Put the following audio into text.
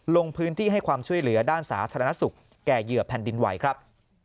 ลงพื้นที่ให้ความช่วยเหลือด้านสาธารณสุขแก่เหยื่อแผ่นดินไหวครับ